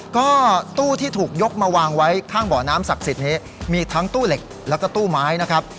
ก็ตู้ที่ถูกยกมาวางไว้ข้างบ่อน้ำศักดิ์สิทธิ์นี้มีทั้งตู้เหล็กแล้วก็ตู้ไม้นะครับ